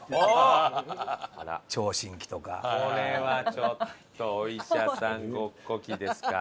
これはちょっとお医者さんごっこ期ですか？